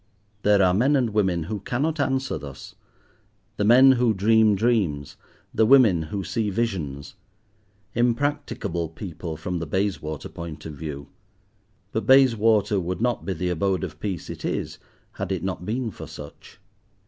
There are men and women who cannot answer thus—the men who dream dreams, the women who see visions—impracticable people from the Bayswater point of view. But Bayswater would not be the abode of peace it is had it not been for such.